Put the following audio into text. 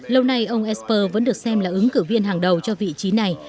lâu nay ông esper vẫn được xem là ứng cử viên hàng đầu cho vị trí này